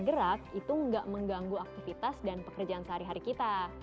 gerak itu enggak mengganggu aktivitasnya